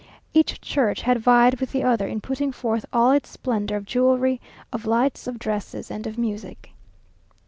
Each church had vied with the other in putting forth all its splendour of jewellery, of lights, of dresses, and of music.